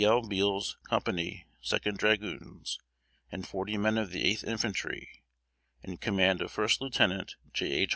L. Beall's company 2d Dragoons, and forty men of the 8th Infantry, in command of First Lieutenant J. H.